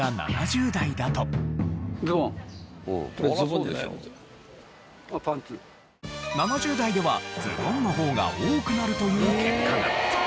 これが７０代ではズボンの方が多くなるという結果が。